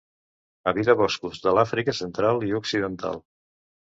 Habita boscos de l'Àfrica Central i Occidental.